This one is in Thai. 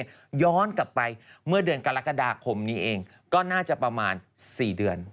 ถ้าย้อนกลับไปเมื่อเดือนกรกฎาคมนี้เองก็น่าจะประมาณ๔เดือน